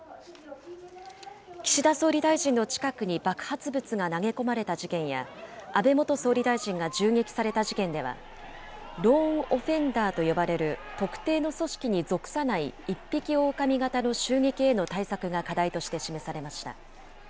岸田総理大臣の近くに爆発物が投げ込まれた事件や、安倍元総理大臣が銃撃された事件では、ローン・オフェンダーと呼ばれる特定の組織に属さない一匹狼型の襲撃への対策が課題として示されました。